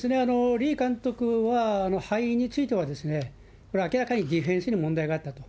リ監督は敗因についてはこれは明らかにディフェンスに問題があったと。